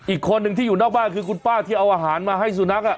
อีกคนนึงที่อยู่นอกบ้านคือคุณป้าที่เอาอาหารมาให้สุนัข